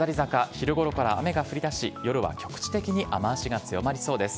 昼ごろから雨が降りだし、夜は局地的に雨足が強まりそうです。